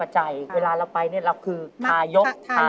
รับจะสะสมไป๕๐๐๐บาท